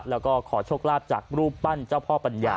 แล้วก็ขอโชคลาภจากรูปปั้นเจ้าพ่อปัญญา